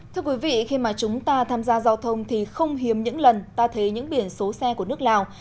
thưa quý vị khi mà chúng ta tham gia giao thông thì không hiếm những lần ta thấy những biển số xe của nước lào